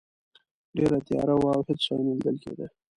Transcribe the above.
ډیره تیاره وه او هیڅ شی نه لیدل کیده.